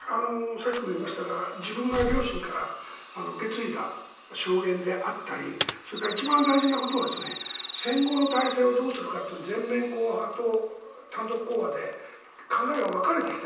さっきも言いましたが自分が両親から受け継いだ証言であったりそれから一番大事なことは戦後の体制をどうするかという全面と単独講和で考えが分かれてきた。